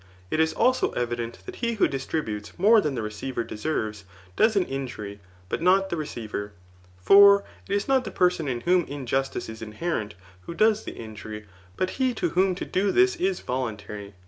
It is also evident that he who distributes [more than the receiver deserves,] does an injury, but not the receiver. For it is not the person in whom injustice is inherent who does the injury, but he to whom to do this is voluntary.